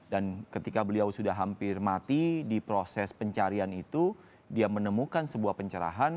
dan ketika beliau sudah hampir mati di proses pencarian itu dia menemukan sebuah pencerahan